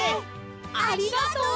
ありがとう！